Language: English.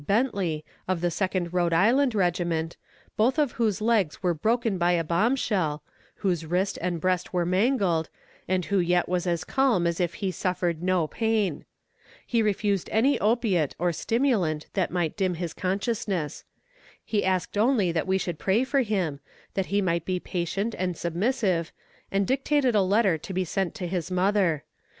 Bentley, of the Second Rhode Island regiment, both of whose legs were broken by a bomb shell, whose wrist and breast were mangled, and who yet was as calm as if he suffered no pain. He refused any opiate or stimulant that might dim his consciousness. He asked only that we should pray for him, that he might be patient and submissive, and dictated a letter to be sent to his mother.